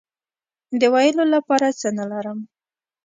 د ویلو لپاره څه نه لرم